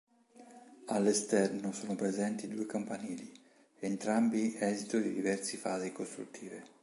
All'esterno sono presenti due campanili, entrambi esito di diverse fasi costruttive.